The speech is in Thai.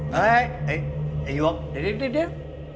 เฮ่ยไอ้ยวกเดี๋ยว